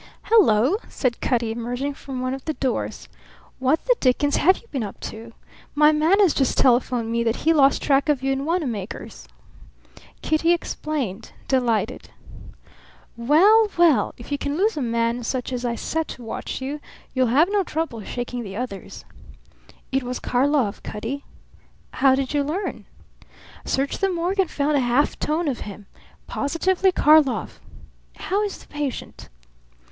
"Hello!" said Cutty, emerging from one of the doors. "What the dickens have you been up to? My man has just telephoned me that he lost track of you in Wanamaker's." Kitty explained, delighted. "Well, well! If you can lose a man such as I set to watch you, you'll have no trouble shaking the others." "It was Karlov, Cutty." "How did you learn?" "Searched the morgue and found a half tone of him. Positively Karlov. How is the patient?"